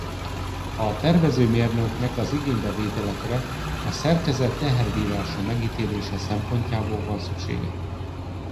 A tervező mérnöknek az igénybevételekre a szerkezet teherbírása megítélése szempontjából van szüksége.